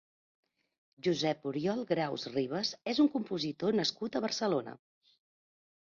Josep-Oriol Graus Ribas és un compositor nascut a Barcelona.